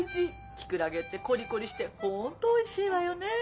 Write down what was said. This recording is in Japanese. キクラゲってコリコリして本当おいしいわよね。